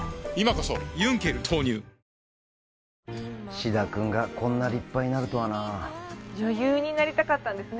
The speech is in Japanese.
シダ君がこんな立派になるとはな女優になりたかったんですね